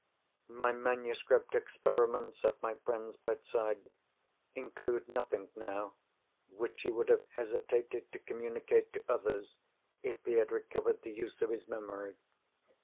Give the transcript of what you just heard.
My manuscript experiments at my friend's bedside, include nothing, now, which he would have hesitated to communicate to others, if he had recovered the use of his memory.